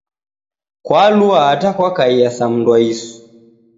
Kwalua ata kwakaia sa mundu wa isu